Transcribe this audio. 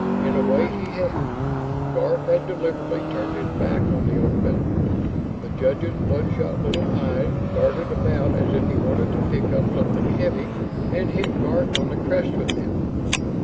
In a way, he had; Garf had deliberately turned his back on the old fellow. The Judge's bloodshot little eyes darted about as if he wanted to pick up something heavy and hit Garf on the crest with it.